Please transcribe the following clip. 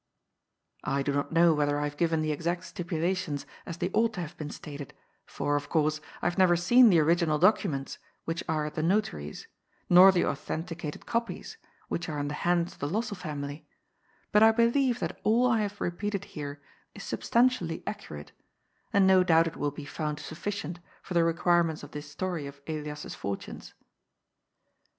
I do not know whether I have given the exact stipula* tions, as they ought to have been stated, for, of course, I have never seen the original documents, which are at the notary's, nor the authenticated copies, which are in the hands of the Lossell family, but I believe that all I have re peated here is substantially accurate, and no doubt it will be found sufficient for the requirements of this story of Elias's fortunes.